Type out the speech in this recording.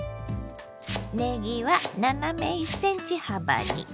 ねぎは斜め１ｃｍ幅に。